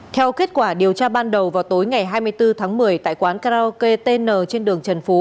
theo kết quả điều tra ban đầu vào tối ngày hai mươi bốn tháng một mươi tại quán karaoke tn trên đường trần phú